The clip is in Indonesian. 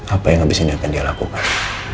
apa yang habis ini akan dia lakukan